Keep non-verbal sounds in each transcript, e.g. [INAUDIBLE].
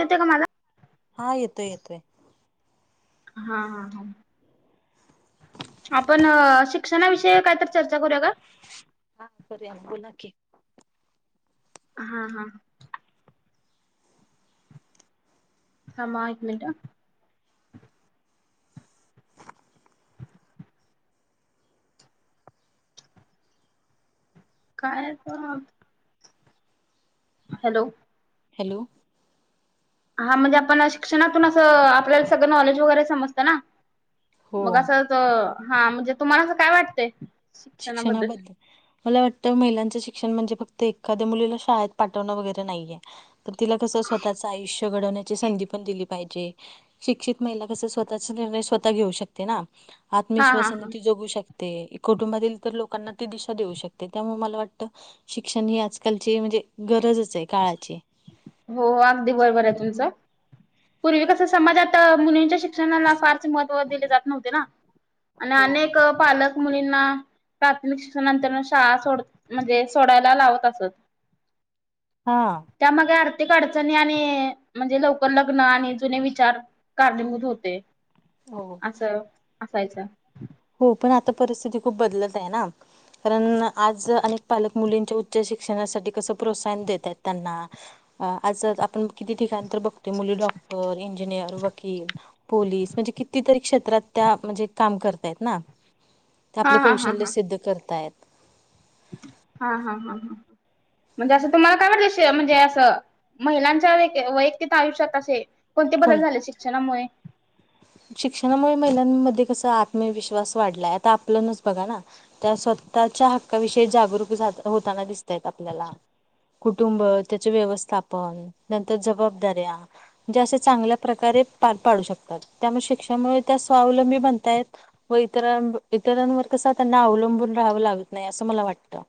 येतो का माझा? हा येतोय येतोय. हा हा हा आपण शिक्षणा विषयी कायतर चर्चा करूया का? हा करूया मग बोला की. हा हा थांबा हा एक मिनिट. काय बरं हॅलो! हॅलो! हा म्हणजे आपण शिक्षणातून असं आपल्याला सगळं नॉलेज वगैरे समजत ना. हो मग असं त हा म्हणजे तुम्हाला असं काय वाटतय. शिक्षणा बद्दल. मला वाटतं महिलांचं शिक्षण म्हणजे, फक्त एखाद्या मुलीला शाळेत पाठवणं वगैरे नाहीये. तर तिला तसं स्वतःचं आयुष्य घडवण्याची संधी पण दिली पाहिजे. शिक्षित महिला कसं स्वतःच निर्णय स्वतः घेऊ शकते ना. हा हा आत्मविश्वासाने हा ती जगू शकते. कुटुंबातील इतर लोकांना ती दिशा देऊ शकते, त्यामुळे मला वाटतं. शिक्षण ही आजकालची म्हणजे गरजच ये काळाची. हो अगदी बरोबर ये तुमचं, पूर्वी कस समाजात मुलींच्या शिक शिक्षणाला फारसे महत्व दिले जात नव्हते ना. आणि हो आनेक पालक मुलींना प्राथमिक शिक्षणा नंतर शाळा सोड म्हणजे सोडायला लावत असतात. हा हा त्यामागे आर्थिक अडचणी आणि म्हणजे लवकर लग्न आणि जुने विचार कारलभुत होते हो असं असायचं. हो पण आता परिस्थिती खूप बदलत आहे ना. कारण आज अनेक पालक मुलींच्या उच्च शिक्षणासाठी कसं प्रोत्साहन देत आहेत त्यांना अ आज आपण किती? ठिकाण तर बघतो मुली डॉक्टर, इंजिनियर, वकील. पोलीस म्हणजे कितीतरी? क्षेत्रात त्या म्हणजे काम करतायेत ना. ते हा आपले हा हा कौशल्य हा. सिद्ध करताय. हां, हां, हां, ह म्हणजे असं तुम्हाला काय? वाटल म्हणजे असं. महिलांच्या वैयक्तिक आयुष्यात असे कोणते? बदल कोण झाले शिक्षणामुळे. शिक्षणामुळे महिलांमध्ये कसा आत्मविश्वास वाढलाय आता आपलंनच बघा ना. त्या स्वतःच्या हक्काविषयी जागरूक होताना दिसतायेत आपल्याला. कुटुंब त्याचे व्यवस्थापन नंतर जबाबदाऱ्या. म्हणजे असं चांगल्या प्रकारे पार पारू शकतात त्यामुळे शिक्षणामुळे त्या स्वावलंबी बनतायत. व इतरां इतरांवर कसं त्यांना अवलंबून राहावं लागत नाही असं मला वाटतं.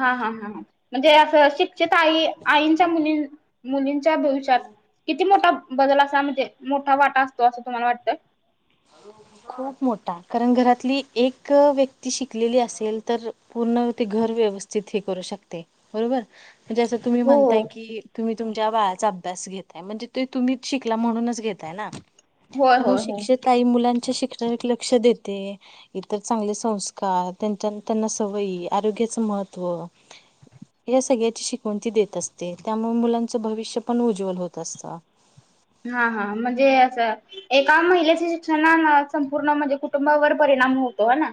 हां हां हां ह म्हणजे असं शिक्षित आई आईंच्या मुलीं मुलींच्या भविष्यात किती? मोठा बदल असा म्हणजे मोठा वाटा असतो असं तुम्हाला वाटतं. अ खूप मोठा कारण घरातली एक व्यक्ती शिकलेली असेल तर पूर्ण ते घर व्यवस्थ त हे करू शकते. बरोबर म्हणजें तुम्ही हो म्हणताय हो की. तुम्ही तुमच्या बाळाचा अभ्यास घेताय. म्हणजे ते तुम्हीच शिकला म्हणूनच घेताय ना. होय त्यामुळ मग होय होय. शिक्षीत आई मुलांच्या शिक्षणाकडे लक्ष देते. इतर चांगले संस्कार, त्यांच्या त्यांना सवयी, आरोग्याचं महत्त्व. या सगळ्याची शिकवणती देत असते त्यामुळे मुलांचं भविष्य पण उज्वल होत असतं. हां हां म्हणजे असं. एका महिलेच्या शिक्षणान संपूर्ण म्हणजे कुटुंबावर परिणाम होतो हो ना.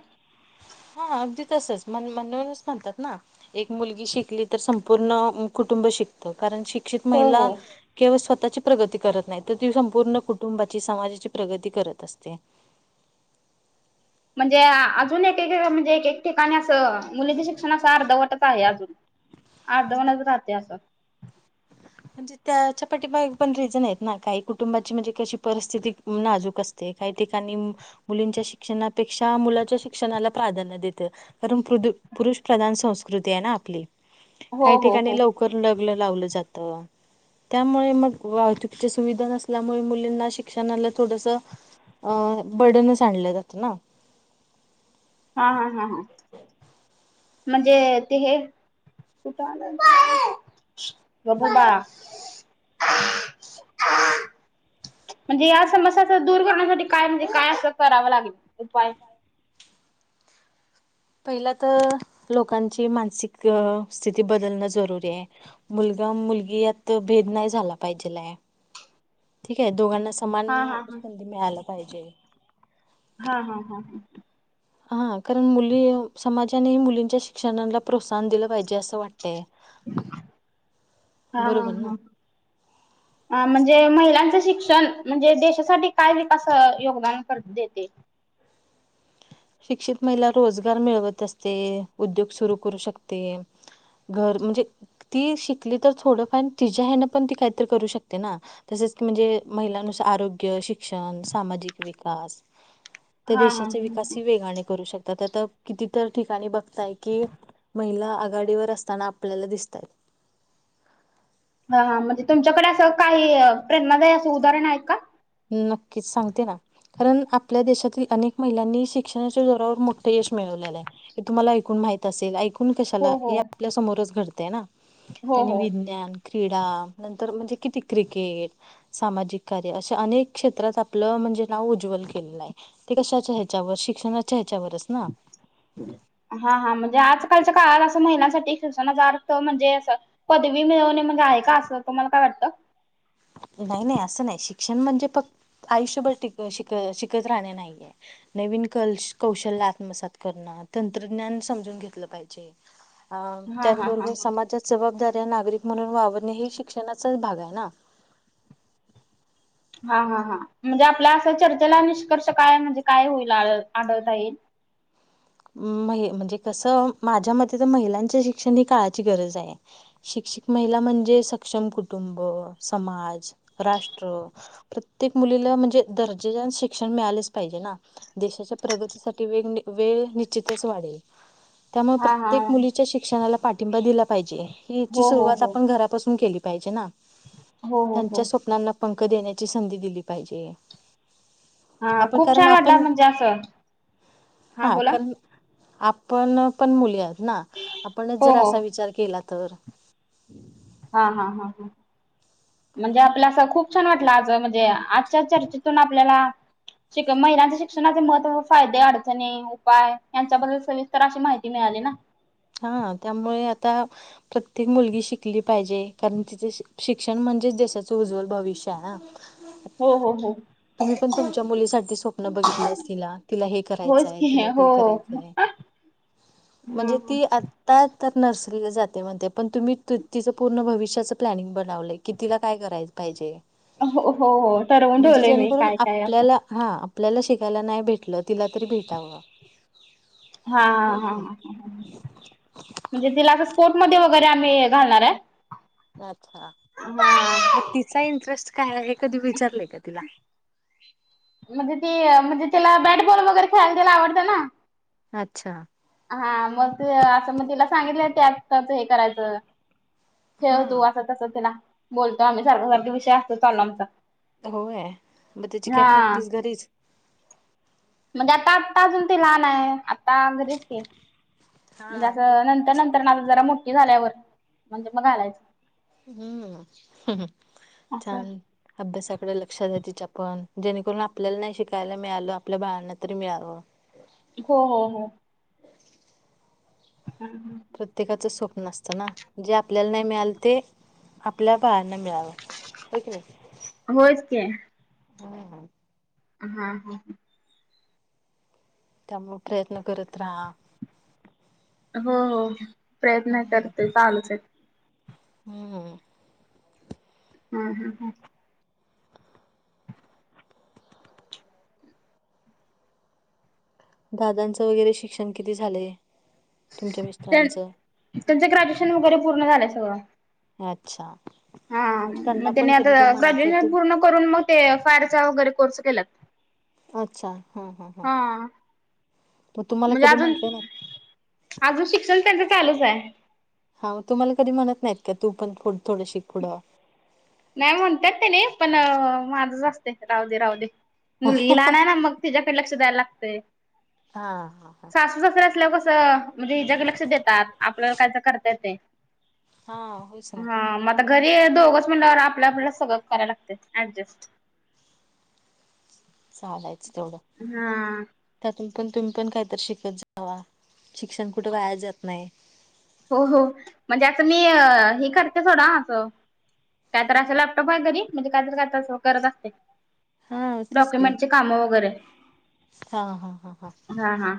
हा अगदी तसंच म्हणूनचं म्हणतात ना. एक मुलगी शिकली तर संपूर्ण कुटुंब शिकत कारण शिक्षित हो हो. महिला- केवळ स्वतःची प्रगती करत नाही. तर ती संपूर्ण कुटुंबाची समाजाची प्रगती करत असते. म्हणजे अजून एक म्हणजे एक एक ठिकाणी असं मुलीचं शिक्षण अर्धवटच आहे अजून. अर्धवटच राहते असं. म्हणजे त्याच्या पाठी बा पण रिझन आहेत ना काही कुटुंबाची म्हणजे कशी परिस्थिती नाजूक असते. ते काही ठिकाणी असं मुलीच्या शिक्षणापेक्षा मुलाच्या शिक्षणात प्राधान्य देतो. कारण पुरुष प्रधान संस्कृती आहे ना आपली. हो काही हो हो ठिकाणी लवकर लग्न लावलं जातं. त्यामुळे मग वाहतुकीच्या सुविधा नसल्यामुळे मुलींना शिक्षणाला थोडंसं - अ बडनस आणल् जातं ना. हां हां हां हां. म्हणजे ते हे कठ [UNINTELLIGIBLE] बब्बू बाळा. [INAUDIBLE] म्हणजे या समस्याच दूर करण्यासाठी काय? म्हणजे काय? असं करावं लागेल उपाय. पहिलं तर लोकांची मानसिक स्थिती बदलणं जरुरीय. मुलगा मुलगी यात भेद नाही झाला पाहिजेलाय ठीक आहे दोघांना समान हा हा हा संधी मिळायला पाहिजे. हां हां हां ह. हा कारण मुली समाजानेही मुलींच्या शिक्षणाला प्रोत्साहन दिलं पाहिजे असं वाट तयं. हां हां. [INAUDIBLE] अ म्हणजे महिलांचं शिक्षण म्हणजे देशासाठी काय विकास योगदान करते ते. शिक्षित महिला रोजगार मिळवत असते उद्योग सुरू करू शकते. घर म्हणजे ती शिकली तर थोडंफार तिच्या् ह्यान पण ती काहीतरी करू शकते ना. तसेच कि म्हणजे महिलांनुसार आरोग्य शिक्षण सामाजिक विकास. त्या हा हा देशाचा विकास ह वेगाने करू शकतात आता कितीतर ठिकाणी बघताय कि. महिला आघाडीवर असताना आपल्याला दिसतंय. हा हा म्हणजे तुमच्याकडे असं काही प्रेरणादायी असं उदाहरण आहेत का. नक्कीच सांगते ना. कारण आपल्या देशातील अनेक महिलांनी शिक्षणाच्या जोरावर मोठं यश मिळवलेलं आहे. हे तुम्हाला ऐकून माहित असेल ऐक. आपण कशाला हो हो हे आपल्या समोरच घडतंय ना हो त्यानी हो विज्ञान. क्रीडा नंतर म्हणजे किती क्रिकेट सामाजिक कार्य असा. अनेक क्षेत्रात आपलं म्हणजे नाव उज्ज्वल केलेलं आहे. ते कशाच्या ह्याच्यावर शिक्षणाच्या ह्याच्यावरच ना. हा हा म्हणजे आजकालच्या काळात असं महिलांसाठी शिक्षणाचा अर्थ म्हणजे असं. पदवी मिळवणे मग आहे का असं तुम्हाला काय वाटतं. नाही नाही असं नाही शिक्षण म्हणजे फक्त आयुष्यभर शिक शिकत राहणे नाहीये. नवीन कौशल्य आत्मसात करणं तंत्रज्ञान समजून घेतलं पाहिजे. अ हा हा हा त्याचबरोबर समाजात जबाबदाऱ्या नागरिक म्हणून वावरणे हे शिक्षणाचाच भाग आहे ना. हा हा हा म्हणजे आपल्या असं चर्चेला निष्कर्ष काय म्हणजे काय आ आढळता येईल. म्हणजे कसं माझ्या मते तर महिलांच शिक्षण ही काळाची गरज आहे. शिक्षित महिला म्हणजे सक्षम कुटुंब समाज राष्ट्र प्रत्येक मुलीला म्हणजे दर्जेदार शिक्षण मिळालेच पाहिजे ना. देशाच्या प्रगतीसाठी वेग वेळ. निश्चितच वाढेल त्यामुळे हा हा प्रत्येक मुलीच्या शिक्षणाला पाठिंबा दिला पाहिजे. हिची हो हो सुरुवात हो आपण घरापासून केली पाहिजे ना. हो हो हो त्यांच्या स्वप्नांना पंख देण्याची संधी दिली पाहिजे. हा आपण खूप कारण छान वाटला आपण म्हणजे अस हा बोला. आपण पण मुली आहेत ना आपणच हो जर हो असा विचार केला तर. हा हा हा हा. म्हणजे आपल्या असं खूप छान वाटलं आज म्हणजे आजच्या चर्चेतून आपल्याला. शिक महिलांच्या शिक्षणाचे महत्व फायदे अडचणी. उपाय यांच्याबद्दल सविस्तर अशी माहिती मिळाली ना. हा त्यामुळे आता प्रत्येक मुलगी शिकली पाहिजे कारण तिचे शिक्षण म्हणजेच देशाचं उज्ज्वल भविष्य आहे ना. हो हो हो. तुम्ही पण तुमच्या मुलीसाठी स्वप्न बघितले असतिला तिला हे होयच करायचंय की तिला हो ते हो. करायचंय. म्हणजे हम्म. ती आता ता तर नर्सरीला जाते म्हणते पण तुम्ही तिचं पूर्ण भविष्याचं प्लॅनिंग बनवलंय की तिला काय करायचं. पाहिजे. हो हो हो ठवून ठवलेय मी काय काय असं. हा‌ आपल्याला शिकायला नाही भेटलं तिला तरी भेटावं. हा होय हा की हा नाही म्हणजे तिला असं स्पोर्ट मध्ये वगैरे आम्ही घालणार आहे. अच्छा मग तिचा इंटरेस्ट काय आहे हे कधी विचारलंय का तिला. म्हणजे ते म्हणजे, त्याला बॅट बॉल वगैरे खेळायला त्याला आवडतं ना. अच्छा. हा मग ते असं मग तिला सांगितलं त्यात त्याच हे करायचं. खेळ हा तू असं तसं ते ना बोलतो आम्ही सारख सारखे विषय असतो चालू आमचा. होय मग त्याची काय हा. प्रॅक्टिस घरीच. म्हणजे आता आता अजून ते लहान आहे, आता घरीच कि म्हणजे हा. असं त्यानंतर ना आता जरा मोठी झाल्यावर म्हणजे मग घालायच. हम्म हम्म असं छान. अभ्यासाकडे लक्ष द्या तिचापण जेणेकरून आपल्याला नाही शिकायला मिळालं, आपल्या बाळांना तरी मिळावं. हो हो हो. [UNINTELLIGIBLE] प्रत्येकाचं स्वप्न असतं ना, जे आपल्याला नाही मिळालं ते आपल्या बाळांना मिळावं. होय कि नाही. होयच कि. हम्म. हा हा हा. त्यामुळं प्रयत्न करत राहा. हो हो प्रयत्न करते, चालूच आहेत. हो हो. [UNINTELLIGIBLE] दादांचं वगैरे शिक्षण किती झालयं, तुमच्या मिस्टरांच. तुमचं ग्रॅज्युएशन वगैरे पूर्ण झालंय सगळं. अच्छा हा मग त्यांना त्याने कधी जाऊन आता म्हणायचं ग्रॅज्युएशन तूम पूर्ण करून मग ते फायरचा वगैरे कोर्स केला. अच्छा हा हा हा मग तुम्हाला म्हणजे कधी अजून म्हटले नाही. अजून शिक्षण त्यांचं चालूच आहे. हो तुम्हाला कधी म्हणत नाहीत का तू पण थोडं थोडं शिक पुढ. नाही म्हणतात तेने पण माझंच असते राहू दे, राहू दे मुलगी लहान ना मग. तिच्याकडं लक्ष द्यायला लागतंय. हा हा हा. सासू सासरे असल्यावर कसं म्हणजे, हिचाकडे लक्ष देतात आपल्याला कायतरी करता येतंय. हा होच ना हा मग आता घरी दोघच म्हणल्यावर आपलं आपल्याला सगळं करायला लागतयं ऍडजस्ट. चालाायचं तेवढं. हा त्यातून पण तुम्ही पण काहीतरी शिकत जावा, शिक्षण कुठे वाया जात नाही. हो हो म्हणजे आता मी हे करते थोडा डा असं काय तर असं लॅपटॉप आहे घरी, म्हणजे कायत काय करत असते. हा तेच की डॉक्युमेंटचे काम वगैरे हा हा हा हा हा.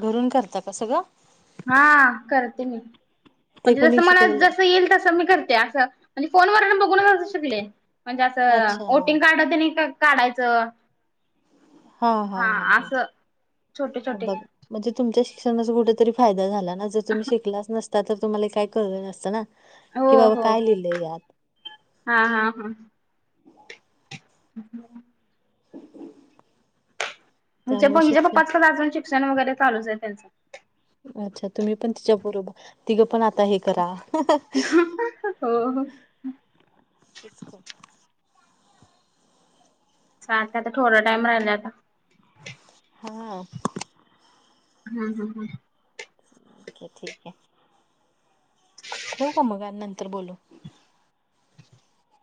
घरून करता का सगळं. हा करते मी, ते म्हणजे कोणी जसं मला शिकवलं जस येईल तसं मी करते असं म्हणजे फोनवर बघूनच असं शिकले, म्हणजे असं अच्छा वोटिंग कार्ड ते नाही का. काढायचं हा असं छोटे छोटे. बघ म्हणजे तुमच्या शिक्षणाचा कुठेतरी फायदा झाला ना, जर तुम्ही शिकलाच नसता तर तुम्हाला काय कळलं नसतं ना. हो कि बाबा हो काय लिहिलंय यात. हा हा हा. [UNINTELLIGIBLE] आम्हच्या त्यामुळे पहिल्या शिक्षण पप्पाच अजून शिक्षण वगैरे चालूच आहे त्यांचं. अच्छा तुम्ही पण तिच्या बरोबर तिघं पण आता हे करा. हो. [UNINTELLIGIBLE] तूच काढ [INAUDIBLE] चालतंय आता थोडा टाईम राहिला आता. हम्म हम् हम हम् ओके ठीक आहे. ठेऊ का मग आणि नंतर बोलू. हं [INAUDIBLE]